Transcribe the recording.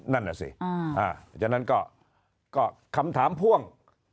นั่นน่ะสิฉะนั้นก็คำถามพ่วง